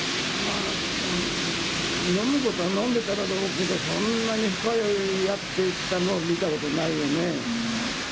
飲むことは飲んでたんだろうけど、そんなに深酔いしてるのは見たことないよね。